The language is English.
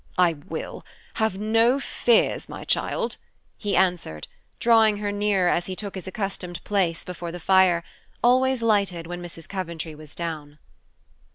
"I will; have no fears, my child," he answered, drawing her nearer as he took his accustomed place before the fire, always lighted when Mrs. Coventry was down.